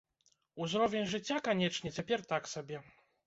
Узровень жыцця, канечне, цяпер так сабе.